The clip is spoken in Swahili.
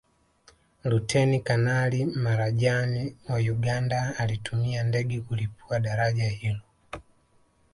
Luteni Kanali Marajani wa Uganda alitumia ndege kulipua daraja hilo